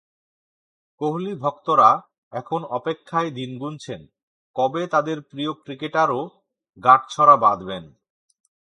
কোহলি-ভক্তরা এখন অপেক্ষায় দিন গুনছেন, কবে তাঁদের প্রিয় ক্রিকেটারও গাঁটছড়া বাধবেন।